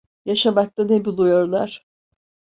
Yaşamakta ne buluyorlar?